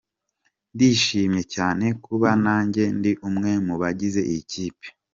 ndishimye cyane kuba nanjye ndi umwe mu bagize iyi kipe.